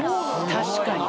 確かに。